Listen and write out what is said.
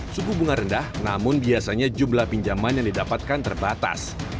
suku bunga rendah namun biasanya jumlah pinjaman yang didapatkan terbatas